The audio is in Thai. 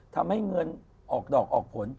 ทำให้เงินออกดอกออกผล